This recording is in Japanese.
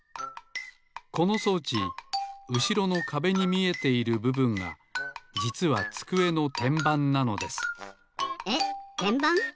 この装置うしろのかべに見えているぶぶんがじつはつくえのてんばんなのですえってんばん？